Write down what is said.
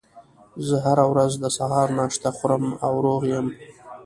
زه هره ورځ د سهار ناشته خورم او روغ یم